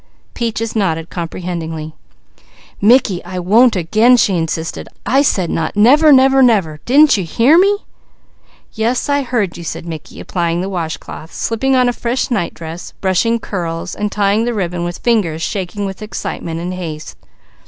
Peaches nodded comprehendingly. "Mickey, I won't again!" she insisted. "I said not never, never, never. Didn't you hear me?" "Yes I heard you," said Mickey, applying the washcloth, slipping on a fresh nightdress, brushing curls, and tying the ribbon with fingers shaking with excitement and haste.